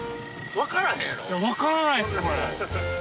分からないっすこれ。